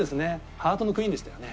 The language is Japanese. ハートのクイーンでしたよね。